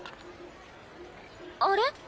あれ？